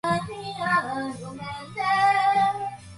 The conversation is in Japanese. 人は寝ずにはいられない